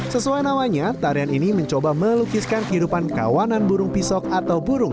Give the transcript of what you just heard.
sesuai namanya tarian ini mencoba melukiskan kehidupan kawanan burung pisok atau burung